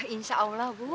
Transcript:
insya allah bu